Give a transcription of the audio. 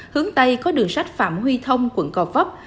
hướng tây có đường sách phạm huy thông quận gò vấp